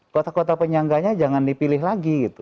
kota kota penyangganya jangan dipilih lagi gitu